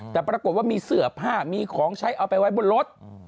แต่ปรากฏว่ามีเสื้อผ้ามีของใช้เอาไปไว้บนรถ